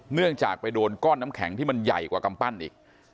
เนื่องจากไปโดนก้อนน้ำแข็งที่มันใหญ่กว่ากำปั้นอีก